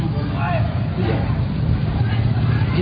กับได้